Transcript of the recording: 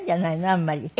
あんまり。